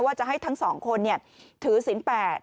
ว่าจะให้ทั้งสองคนเนี่ยถือศีลแปด